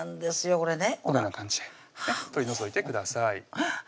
これねこのような感じで取り除いてください